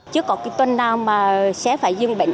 chưa có tuần nào mà xe phải dừng bệnh